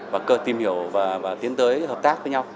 và cơ tìm hiểu và tiến tới hợp tác với nhau